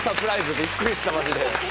びっくりしたマジで。